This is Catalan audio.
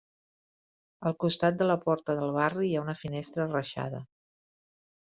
Al costat de la porta del barri hi ha una finestra reixada.